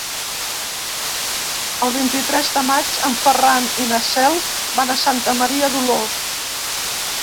El vint-i-tres de maig en Ferran i na Cel van a Santa Maria d'Oló.